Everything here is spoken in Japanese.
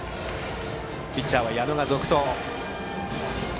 ピッチャーは矢野が続投。